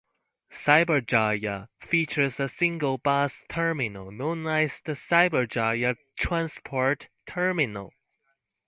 Cyberjaya features a single bus terminal, known as the Cyberjaya Transport Terminal.